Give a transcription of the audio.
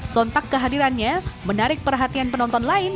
sontak kehadirannya menarik perhatian penonton lain